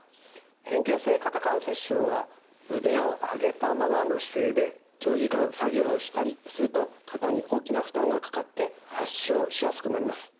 変形性肩関節症は腕を上げたままの姿勢で長時間作業をしたりすると肩に大きな負担がかかって発症しやすくなります。